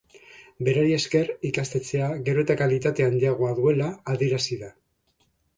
Berari esker, ikastetxea gero eta kalitate handiagoa duela adierazi da.